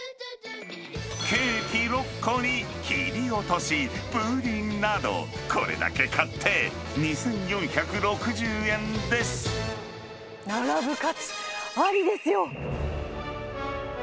ケーキ６個に、切り落とし、プリンなど、並ぶ価値ありですよ。